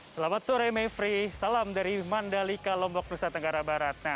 selamat sore mevri salam dari mandalika lombok nusa tenggara barat